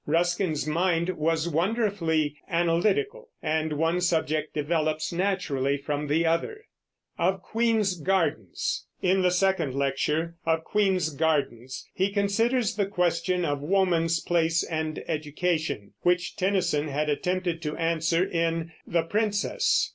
Ruskin's mind was wonderfully analytical, and one subject develops naturally from the other. In the second lecture, "Of Queens' Gardens," he considers the question of woman's place and education, which Tennyson had attempted to answer in The Princess.